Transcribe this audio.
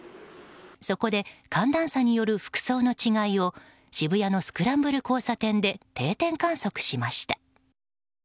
そこで寒暖差による服装の違いを渋谷のスクランブル交差点で定点観測しました。